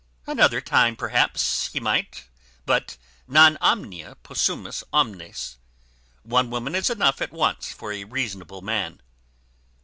"Another time, perhaps, he might," cries Partridge; "but non omnia possumus omnes. One woman is enough at once for a reasonable man."